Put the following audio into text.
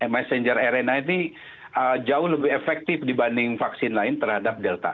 messenger arena ini jauh lebih efektif dibanding vaksin lain terhadap delta